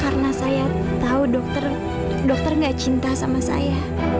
karena saya tau dokter dokter gak cinta sama saya